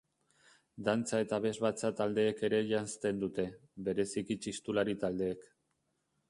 Dantza eta abesbatza taldeek ere janzten dute, bereziki txistulari taldeek.